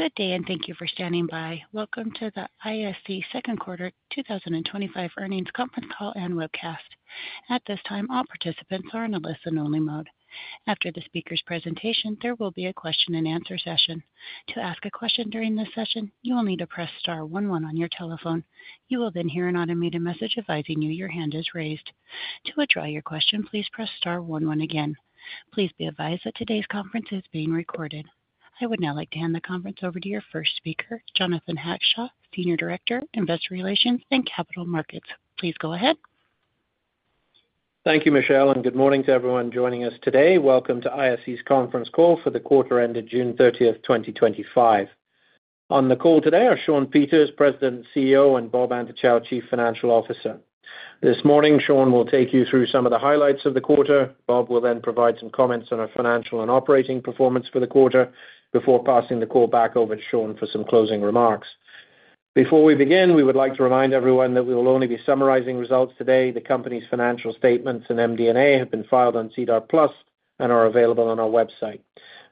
Good day and thank you for standing by. Welcome to the ISC Second Quarter 2025 Earnings Conference Call and Webcast. At this time, all participants are in a listen-only mode. After the speaker's presentation, there will be a Q&A session. To ask a question during this session, you will need to press star one one on your telephone. You will then hear an automated message advising you your hand is raised. To withdraw your question, please press star one one again. Please be advised that today's conference is being recorded. I would now like to hand the conference over to your first speaker, Jonathan Hackshaw, Senior Director, Investor Relations and Capital Markets. Please go ahead. Thank you, Michelle, and good morning to everyone joining us today. Welcome to ISC's conference call for the quarter ended June 30th, 2025. On the call today are Shawn Peters, President and CEO, and Bob Antochow, Chief Financial Officer. This morning, Shawn will take you through some of the highlights of the quarter. Bob will then provide some comments on our financial and operating performance for the quarter before passing the call back over to Shawn for some closing remarks. Before we begin, we would like to remind everyone that we will only be summarizing results today. The company's financial statements and MD&A have been filed on SEDAR+ and are available on our website.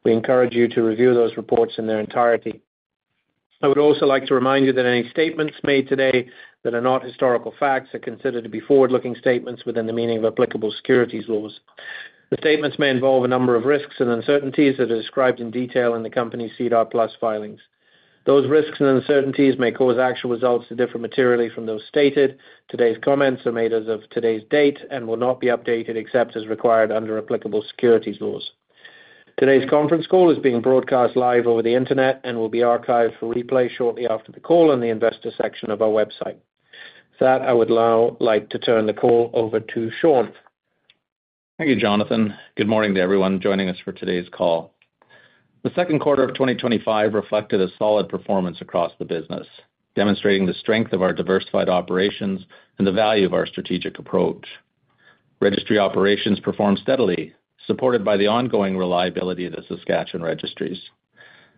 We encourage you to review those reports in their entirety. I would also like to remind you that any statements made today that are not historical facts are considered to be forward-looking statements within the meaning of applicable securities laws. The statements may involve a number of risks and uncertainties that are described in detail in the company's SEDAR+ filings. Those risks and uncertainties may cause actual results to differ materially from those stated. Today's comments are made as of today's date and will not be updated except as required under applicable securities laws. Today's conference call is being broadcast live over the internet and will be archived for replay shortly after the call in the Investor section of our website. With that, I would now like to turn the call over to Shawn. Thank you, Jonathan. Good morning to everyone joining us for today's call. The second quarter of 2025 reflected a solid performance across the business, demonstrating the strength of our diversified operations and the value of our strategic approach. Registry Operations performed steadily, supported by the ongoing reliability of the Saskatchewan Registries.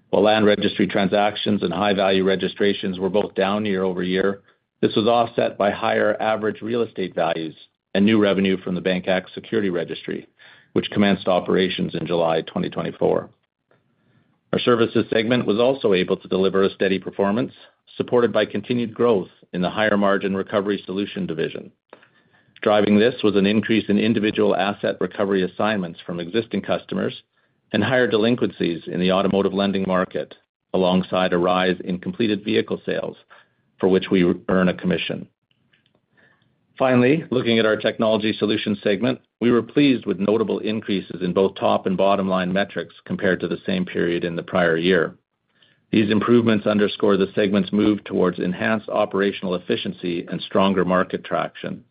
While land registry transactions and high-value registrations were both down year-over-year, this was offset by higher average real estate values and new revenue from the Bank Act Security Registry, which commenced operations in July 2024. Our Services segment was also able to deliver a steady performance, supported by continued growth in the higher margin Recovery Solutions division. Driving this was an increase in individual asset recovery assignments from existing customers and higher delinquencies in the automotive lending market, alongside a rise in completed vehicle sales, for which we earn a commission. Finally, looking at our Technology Solutions segment, we were pleased with notable increases in both top and bottom-line metrics compared to the same period in the prior year. These improvements underscore the segment's move towards enhanced operational efficiency and stronger market traction,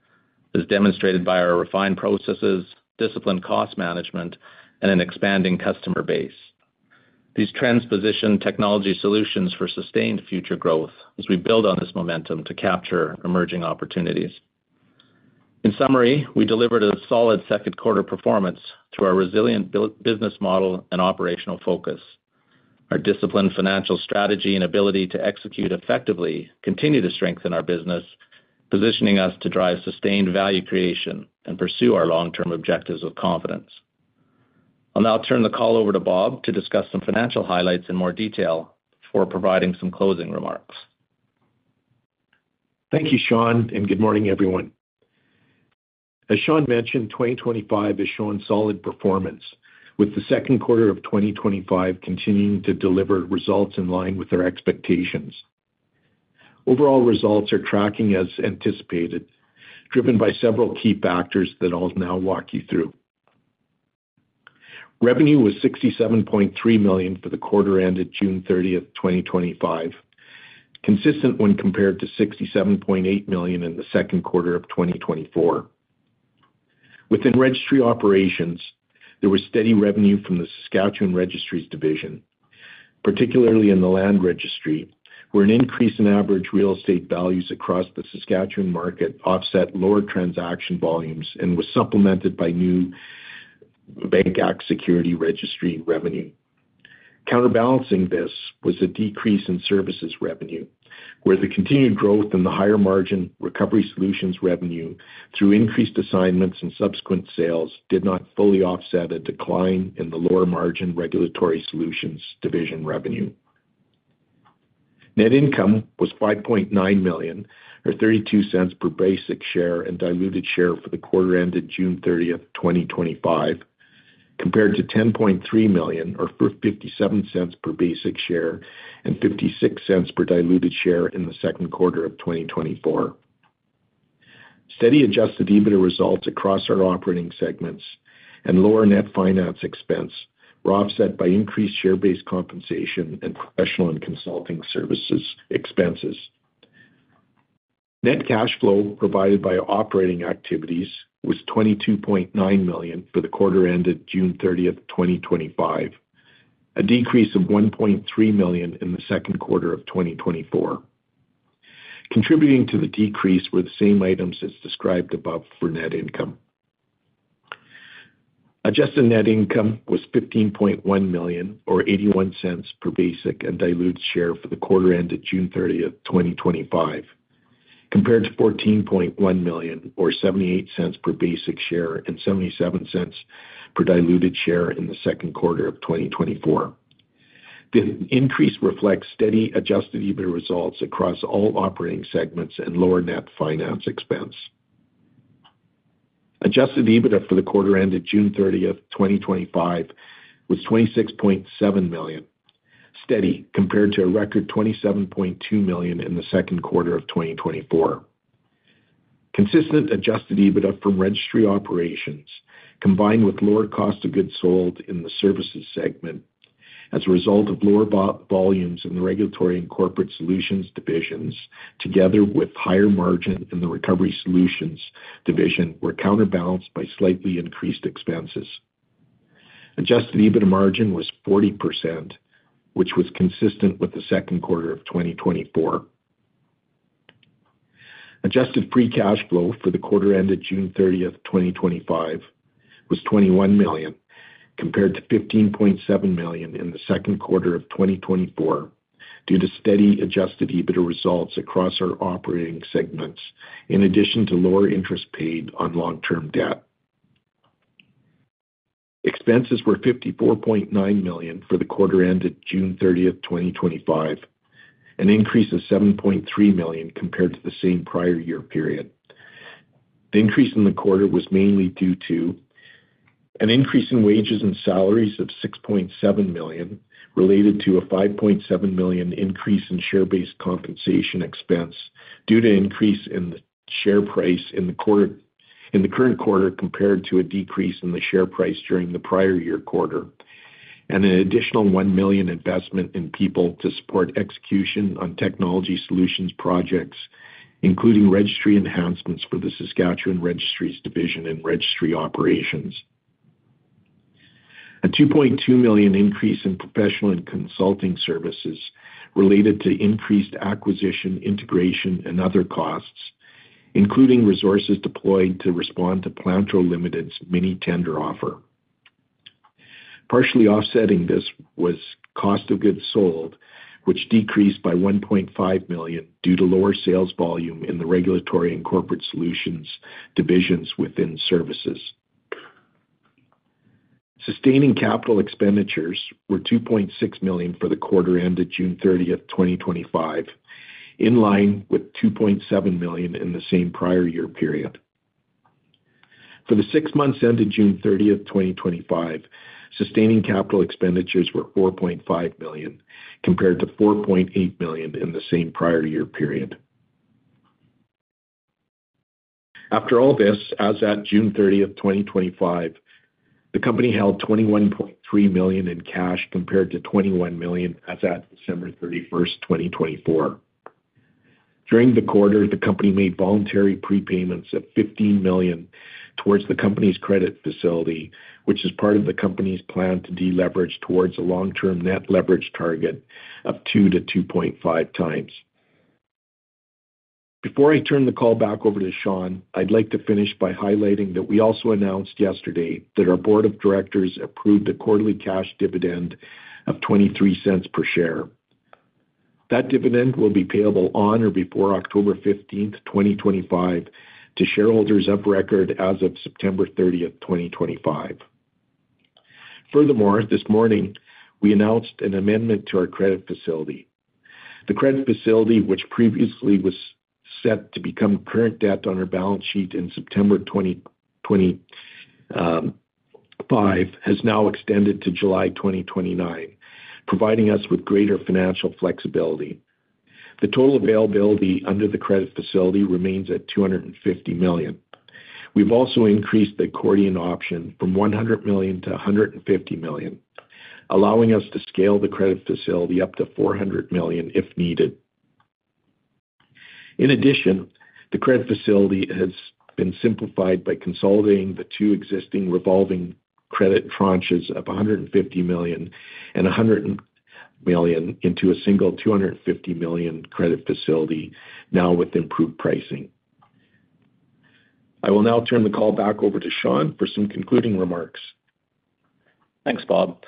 as demonstrated by our refined processes, disciplined cost management, and an expanding customer base. These trends position Technology Solutions for sustained future growth as we build on this momentum to capture emerging opportunities. In summary, we delivered a solid second quarter performance through our resilient business model and operational focus. Our disciplined financial strategy and ability to execute effectively continue to strengthen our business, positioning us to drive sustained value creation and pursue our long-term objectives with confidence. I'll now turn the call over to Bob to discuss some financial highlights in more detail before providing some closing remarks. Thank you, Shawn, and good morning, everyone. As Shawn mentioned, 2025 is Shawn's solid performance, with the second quarter of 2025 continuing to deliver results in line with our expectations. Overall results are tracking as anticipated, driven by several key factors that I'll now walk you through. Revenue was $67.3 million for the quarter ended June 30th, 2025, consistent when compared to $67.8 million in the second quarter of 2024. Within Registry Operations, there was steady revenue from the Saskatchewan Registries Division, particularly in the land registry, where an increase in average real estate values across the Saskatchewan market offset lower transaction volumes and was supplemented by new Bank Act Security Registry revenue. Counterbalancing this was a decrease in services revenue, where the continued growth in the higher margin Recovery Solutions revenue through increased assignments and subsequent sales did not fully offset a decline in the lower margin Regulatory Solutions division revenue. Net income was $5.9 million, or $0.32 per basic share and diluted share for the quarter ended June 30th, 2025, compared to $10.3 million, or $0.57 per basic share and $0.56 per diluted share in the second quarter of 2024. Steady adjusted EBITDA results across our operating segments and lower net finance expense were offset by increased share-based compensation and professional and consulting services expenses. Net cash flow provided by operating activities was $22.9 million for the quarter ended June 30th, 2025, a decrease of $1.3 million in the second quarter of 2024. Contributing to the decrease were the same items as described above for net income. Adjusted net income was $15.1 million, or $0.81 per basic and diluted share for the quarter ended June 30th, 2025, compared to $14.1 million, or $0.78 per basic share and $0.77 per diluted share in the second quarter of 2024. The increase reflects steady adjusted EBITDA results across all operating segments and lower net finance expense. Adjusted EBITDA for the quarter ended June 30th, 2025, was $26.7 million, steady compared to a record $27.2 million in the second quarter of 2024. Consistent adjusted EBITDA from Registry Operations, combined with lower cost of goods sold in the services segment as a result of lower volumes in the Regulatory and Corporate Solutions divisions, together with higher margin in the Recovery Solutions division, were counterbalanced by slightly increased expenses. Adjusted EBITDA margin was 40%, which was consistent with the second quarter of 2024. Adjusted free cash flow for the quarter ended June 30th, 2025, was $21 million, compared to $15.7 million in the second quarter of 2024, due to steady adjusted EBITDA results across our operating segments, in addition to lower interest paid on long-term debt. Expenses were $54.9 million for the quarter ended June 30th, 2025, an increase of $7.3 million compared to the same prior year period. The increase in the quarter was mainly due to an increase in wages and salaries of $6.7 million, related to a $5.7 million increase in share-based compensation expense due to an increase in the share price in the current quarter compared to a decrease in the share price during the prior year quarter, and an additional $1 million investment in people to support execution on Technology Solutions projects, including registry enhancements for the Saskatchewan Registries Division and Registry Operations. A $2.2 million increase in professional and consulting services related to increased acquisition, integration, and other costs, including resources deployed to respond to Plantro Ltd's mini-tender offer. Partially offsetting this was cost of goods sold, which decreased by $1.5 million due to lower sales volume in the Regulatory and Corporate Solutions divisions within Services. Sustaining capital expenditures were $2.6 million for the quarter ended June 30th, 2025, in line with $2.7 million in the same prior year period. For the six months ended June 30th, 2025, sustaining capital expenditures were $4.5 million compared to $4.8 million in the same prior year period. After all this, as at June 30th, 2025, the company held $21.3 million in cash compared to $21 million as at December 31st, 2024. During the quarter, the company made voluntary prepayments of $15 million towards the company's credit facility, which is part of the company's plan to deleverage towards a long-term net leverage target of 2-2.5x. Before I turn the call back over to Shawn, I'd like to finish by highlighting that we also announced yesterday that our Board of Directors approved the quarterly cash dividend of $0.23 per share. That dividend will be payable on or before October 15th, 2025, to shareholders of record as of September 30th, 2025. Furthermore, this morning, we announced an amendment to our credit facility. The credit facility, which previously was set to become current debt on our balance sheet in September 2025, has now extended to July 2029, providing us with greater financial flexibility. The total availability under the credit facility remains at $250 million. We've also increased the accordion option from $100 million to $150 million, allowing us to scale the credit facility up to $400 million if needed. In addition, the credit facility has been simplified by consolidating the two existing revolving credit tranches of $150 million and $100 million into a single $250 million credit facility, now with improved pricing. I will now turn the call back over to Shawn for some concluding remarks. Thanks, Bob.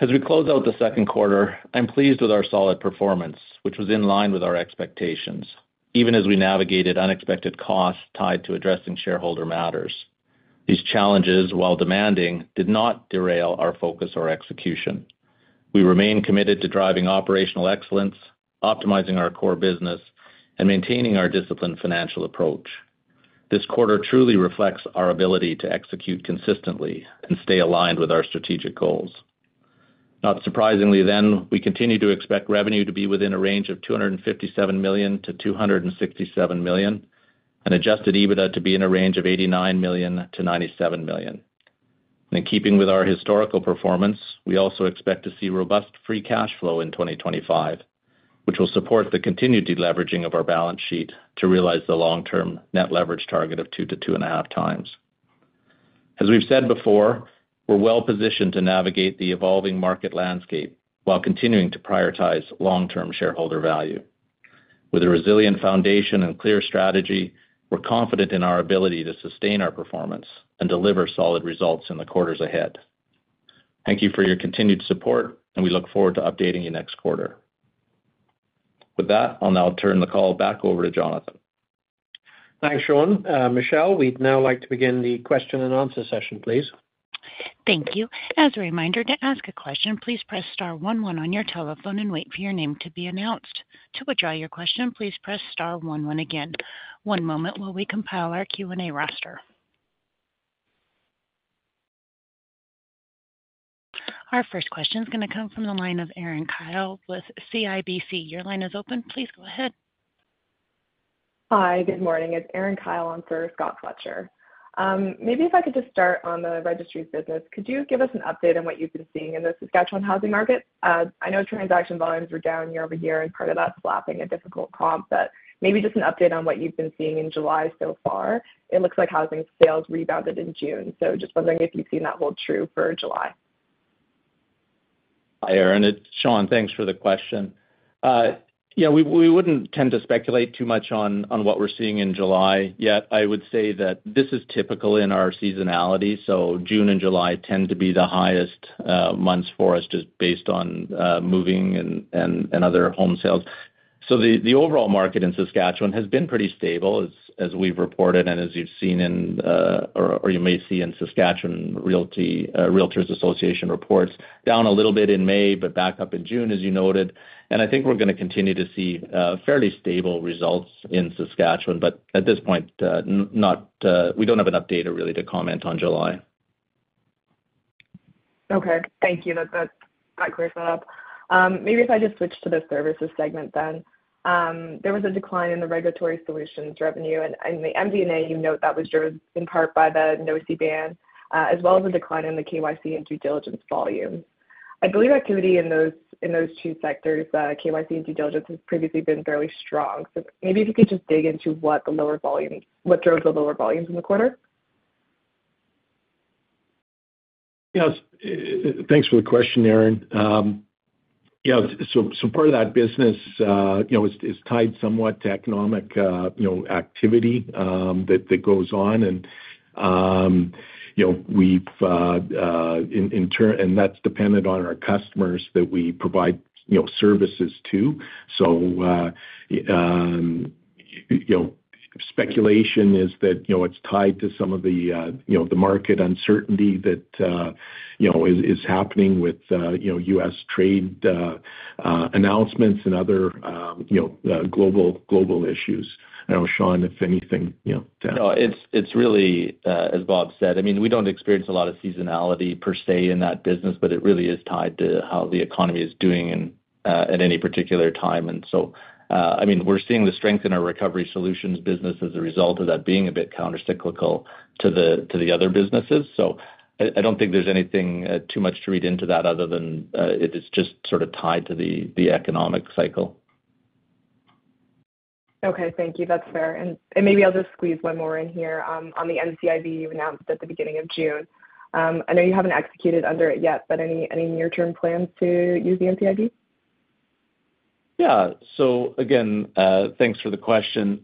As we close out the second quarter, I'm pleased with our solid performance, which was in line with our expectations, even as we navigated unexpected costs tied to addressing shareholder matters. These challenges, while demanding, did not derail our focus or execution. We remain committed to driving operational excellence, optimizing our core business, and maintaining our disciplined financial approach. This quarter truly reflects our ability to execute consistently and stay aligned with our strategic goals. Not surprisingly, then, we continue to expect revenue to be within a range of $257 million-$267 million, and adjusted EBITDA to be in a range of $89 million-$97 million. In keeping with our historical performance, we also expect to see robust free cash flow in 2025, which will support the continued deleveraging of our balance sheet to realize the long-term net leverage target of 2-2.5x. As we've said before, we're well positioned to navigate the evolving market landscape while continuing to prioritize long-term shareholder value. With a resilient foundation and clear strategy, we're confident in our ability to sustain our performance and deliver solid results in the quarters ahead. Thank you for your continued support, and we look forward to updating you next quarter. With that, I'll now turn the call back over to Jonathan. Thanks, Shawn. Michelle, we'd now like to begin the question and answer session, please. Thank you. As a reminder, to ask a question, please press star one one on your telephone and wait for your name to be announced. To withdraw your question, please press star one oneagain. One moment while we compile our Q&A roster. Our first question is going to come from the line of Erin Kyle with CIBC. Your line is open. Please go ahead. Hi, good morning. It's Erin Kyle on for Scott Fletcher. Maybe if I could just start on the Registry's business, could you give us an update on what you've been seeing in the Saskatchewan housing market? I know transaction volumes were down year-over-year as part of us lapping a difficult comp, but maybe just an update on what you've been seeing in July so far. It looks like housing sales rebounded in June, just wondering if you've seen that hold true for July. Hi Erin, it's Shawn. Thanks for the question. We wouldn't tend to speculate too much on what we're seeing in July, yet I would say that this is typical in our seasonality. June and July tend to be the highest months for us just based on moving and other home sales. The overall market in Saskatchewan has been pretty stable as we've reported and as you've seen in, or you may see in, Saskatchewan Realtors Association reports, down a little bit in May but back up in June as you noted. I think we're going to continue to see fairly stable results in Saskatchewan, but at this point, we don't have enough data really to comment on July. Okay, thank you. That clears that up. Maybe if I just switch to the Services segment then. There was a decline in the Regulatory Solutions revenue, and in the MD&A you note that was driven in part by the NOSI ban, as well as a decline in the KYC and due diligence volume. I believe activity in those two sectors, the KYC and due diligence, has previously been fairly strong. Maybe if you could just dig into what drove the lower volumes in the quarter? Yes, thanks for the question, Erin. Part of that business is tied somewhat to economic activity that goes on, and that's dependent on our customers that we provide services to. Speculation is that it's tied to some of the market uncertainty that is happening with U.S. Trade announcements and other global issues. I don't know, Shawn, if anything... No, it's really, as Bob said, we don't experience a lot of seasonality per se in that business, but it really is tied to how the economy is doing at any particular time. We're seeing the strength in our Recovery Solutions business as a result of that being a bit counter-cyclical to the other businesses. I don't think there's anything too much to read into that other than it is just sort of tied to the economic cycle. Okay, thank you. That's fair. Maybe I'll just squeeze one more in here. On the NCIB announcement at the beginning of June, I know you haven't executed under it yet, but any near-term plans to use the NCIB? Thank you for the question.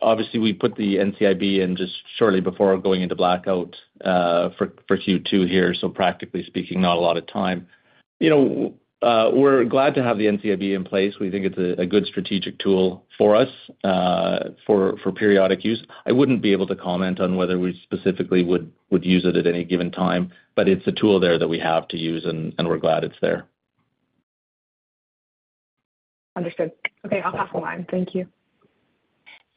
Obviously, we put the NCIB in just shortly before going into blackout for Q2 here, so practically speaking, not a lot of time. We're glad to have the NCIB in place. We think it's a good strategic tool for us for periodic use. I wouldn't be able to comment on whether we specifically would use it at any given time, but it's a tool there that we have to use, and we're glad it's there. Understood. Okay, I'll pass the line. Thank you.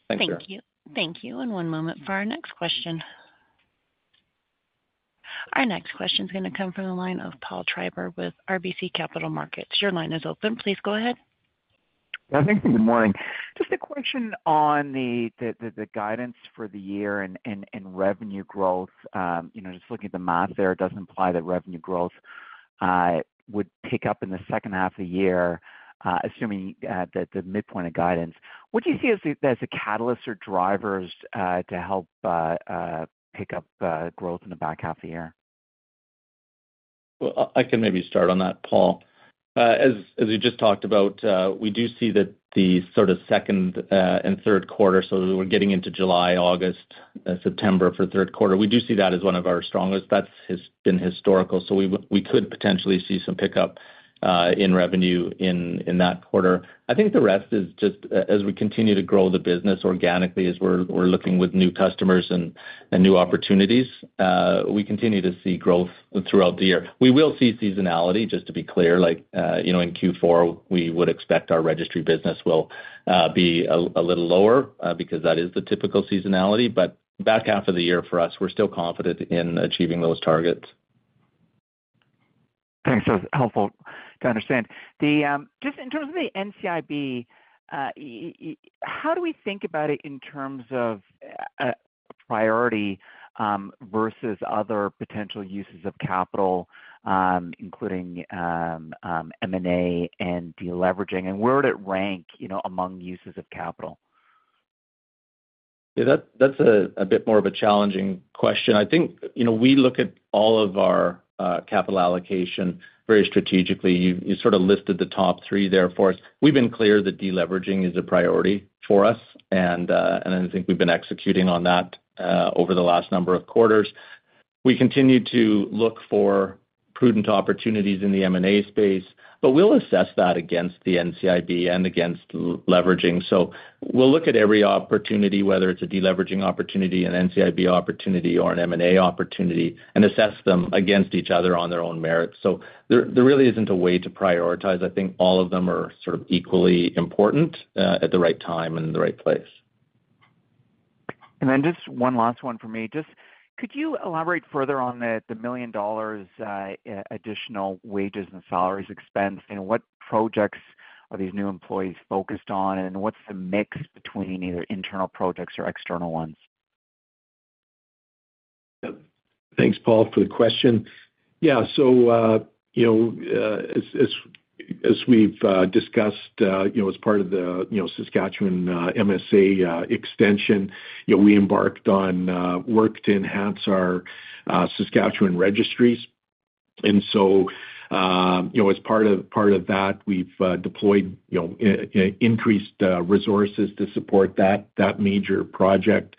Thanks, Erin. Thank you. Thank you. One moment for our next question. Our next question is going to come from the line of Paul Treiber with RBC Capital Markets. Your line is open. Please go ahead. Thank you. Good morning. Just a question on the guidance for the year and revenue growth. Just looking at the math there, it does imply that revenue growth would pick up in the second half of the year, assuming the midpoint of guidance. What do you see as the catalysts or drivers to help pick up growth in the back half of the year? I can maybe start on that, Paul. As we just talked about, we do see that the sort of second and third quarter, so we're getting into July, August, September for the third quarter, we do see that as one of our strongest. That has been historical, so we could potentially see some pickup in revenue in that quarter. I think the rest is just as we continue to grow the business organically as we're looking with new customers and new opportunities, we continue to see growth throughout the year. We will see seasonality, just to be clear. In Q4, we would expect our registry business will be a little lower because that is the typical seasonality, but back half of the year for us, we're still confident in achieving those targets. Thanks, that was helpful to understand. Just in terms of the NCIB, how do we think about it in terms of a priority versus other potential uses of capital, including M&A and deleveraging? Where would it rank among uses of capital? Yeah, that's a bit more of a challenging question. I think we look at all of our capital allocation very strategically. You sort of listed the top three there for us. We've been clear that deleveraging is a priority for us, and I think we've been executing on that over the last number of quarters. We continue to look for prudent opportunities in the M&A space, but we'll assess that against the NCIB and against leveraging. We look at every opportunity, whether it's a deleveraging opportunity, an NCIB opportunity, or an M&A opportunity, and assess them against each other on their own merits. There really isn't a way to prioritize. I think all of them are sort of equally important at the right time and in the right place. Just could you elaborate further on the $1 million additional wages and salaries expense? You know, what projects are these new employees focused on, and what's the mix between either internal projects or external ones? Thanks, Paul. Good question. As we've discussed, as part of the Saskatchewan MSA extension, we embarked on work to enhance our Saskatchewan registries. As part of that, we've deployed increased resources to support that major project.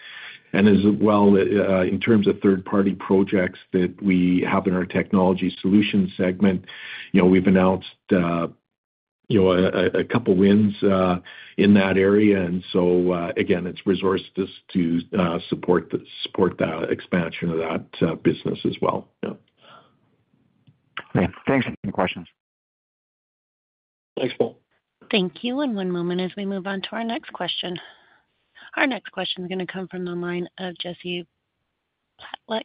In terms of third-party projects that we have in our Technology Solutions segment, we've announced a couple of wins in that area. It's resources to support the expansion of that business as well. Thanks for taking the questions. Thanks, Paul. Thank you. One moment as we move on to our next question. Our next question is going to come from the line of Jesse Pytlak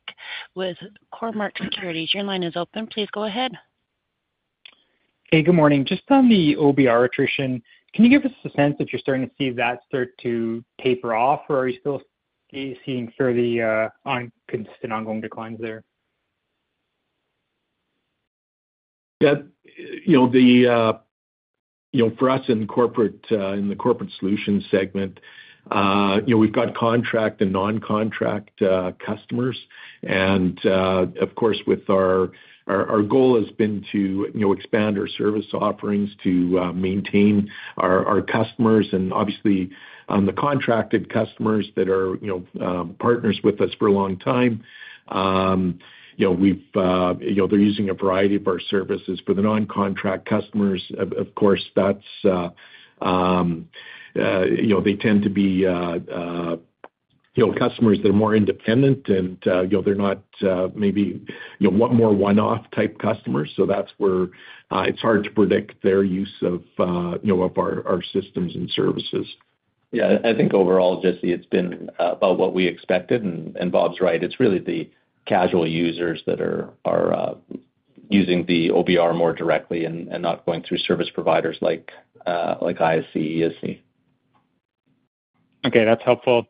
with Cormark Securities. Your line is open. Please go ahead. Hey, good morning. Just on the OBR attrition, can you give us a sense that you're starting to see that start to taper off, or are you still seeing sort of the ongoing declines there? Yeah, for us in the Corporate Solutions segment, we've got contract and non-contract customers. Our goal has been to expand our service offerings to maintain our customers. Obviously, the contracted customers that are partners with us for a long time are using a variety of our services. For the non-contract customers, they tend to be customers that are more independent, and they're not maybe more one-off type customers. That's where it's hard to predict their use of our systems and services. Yeah, I think overall, Jesse, it's been about what we expected. Bob's right. It's really the casual users that are using the OBR more directly and not going through service providers like ISC, ESC. Okay, that's helpful.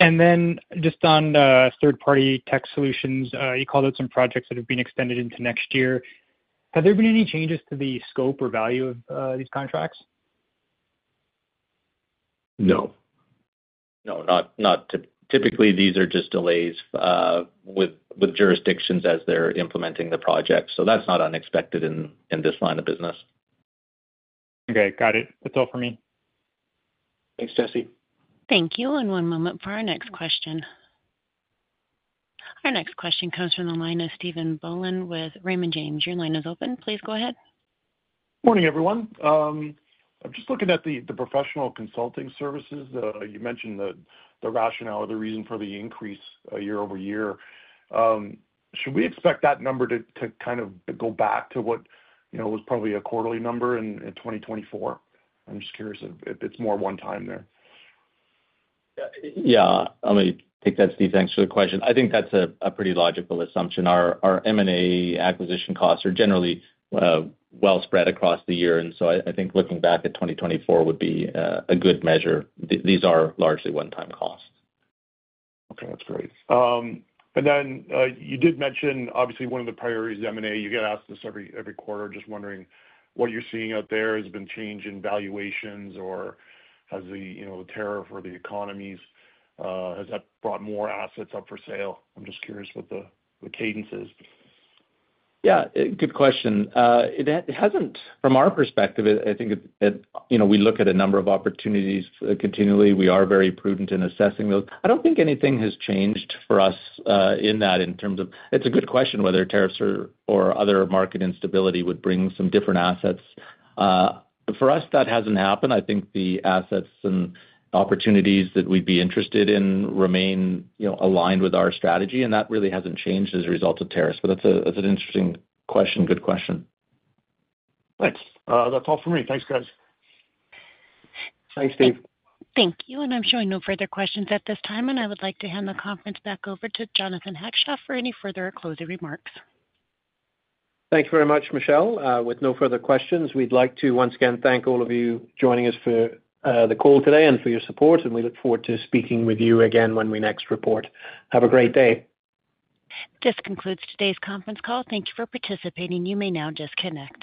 Just on third-party tech solutions, you called out some projects that have been extended into next year. Have there been any changes to the scope or value of these contracts? No. No, not typically. These are just delays with jurisdictions as they're implementing the projects. That's not unexpected in this line of business. Okay, got it. That's all for me. Thanks, Jesse. Thank you. One moment for our next question. Our next question comes from the line of Stephen Boland with Raymond James. Your line is open. Please go ahead. Morning, everyone. I'm just looking at the professional consulting services. You mentioned the rationale or the reason for the increase year over year. Should we expect that number to kind of go back to what, you know, was probably a quarterly number in 2024? I'm just curious if it's more one-time there. Yeah, I'm going to take that, Steve. Thanks for the question. I think that's a pretty logical assumption. Our M&A acquisition costs are generally well spread across the year, so I think looking back at 2024 would be a good measure. These are largely one-time costs. Okay, that's great. You did mention, obviously, one of the priorities is M&A. You get asked this every quarter. Just wondering what you're seeing out there. Has there been a change in valuations, or has the tariff or the economies, has that brought more assets up for sale? I'm just curious what the cadence is. Good question. It hasn't, from our perspective, I think that we look at a number of opportunities continually. We are very prudent in assessing those. I don't think anything has changed for us in that in terms of, it's a good question whether tariffs or other market instability would bring some different assets. For us, that hasn't happened. I think the assets and opportunities that we'd be interested in remain aligned with our strategy, and that really hasn't changed as a result of tariffs. That's an interesting question. Good question. Thanks. That's all for me. Thanks, guys. Thanks, Steve. Thank you. I'm showing no further questions at this time, and I would like to hand the conference back over to Jonathan Hackshaw for any further or closing remarks. Thank you very much, Michelle. With no further questions, we'd like to once again thank all of you joining us for the call today and for your support. We look forward to speaking with you again when we next report. Have a great day. This concludes today's conference call. Thank you for participating. You may now disconnect.